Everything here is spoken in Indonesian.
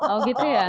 oh gitu ya